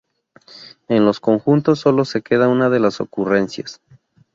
En los conjuntos sólo queda una de las ocurrencias.